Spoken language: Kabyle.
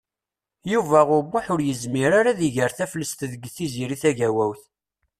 Yuba U Muḥ ur yezmir ara ad iger taflest deg Tiziri Tagawawt.